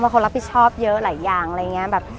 เพราะว่าเขารับผิดชอบเยอะหลายอย่างอะไรอย่างแบบ